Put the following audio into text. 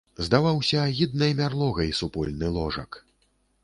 Здаваўся агіднай мярлогай супольны ложак.